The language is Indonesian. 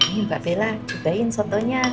mbak bella cobain satunya